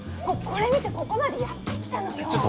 これ見てここまでやって来たのよ。